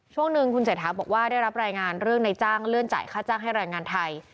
ช่วงหนึ่งคุณเศรษฐาบอกว่าได้รับรายงานเรื่องในจ้างเลื่อนจ่ายค่าจ้างให้แรงงานไทย